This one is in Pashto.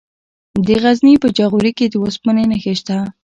د غزني په جاغوري کې د اوسپنې نښې شته.